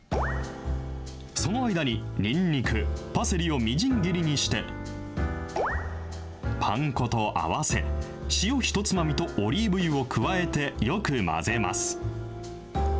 その間に、にんにく、パセリをみじん切りにして、パン粉と合わせ、塩ひとつまみとオリーブ油を加えてよく混ぜます。